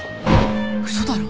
嘘だろ。